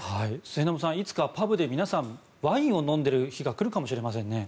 末延さん、いつかパブで皆さんワインを飲んでいる日が来るかもしれませんね。